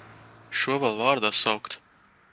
Šo vēl vārdā saukt!